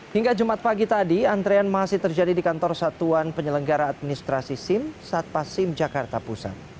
hingga jumat pagi tadi antrean masih terjadi di kantor satuan penyelenggara administrasi sim satpasim jakarta pusat